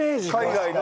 海外の。